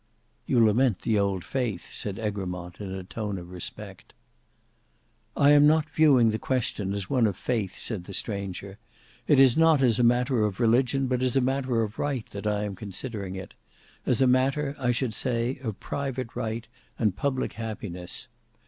"You lament the old faith," said Egremont, in a tone of respect. "I am not viewing the question as one of faith," said the stranger. "It is not as a matter of religion, but as a matter of right, that I am considering it: as a matter, I should say, of private right and public happiness.